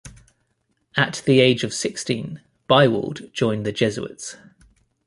At the age of sixteen Biwald joined the Jesuits.